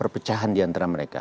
ada perpecahan diantara mereka